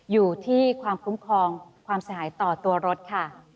อยู่ที่ความคุ้มครองความเสียหายต่อตัวรถค่ะ